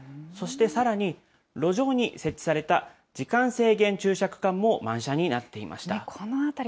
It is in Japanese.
そしてさらに、路上に設置された時間制限駐車区間も満車になっていました。